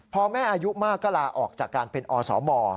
พอแม่อายุมากก็ลาออกจากการเป็นอสม